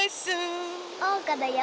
おうかだよ！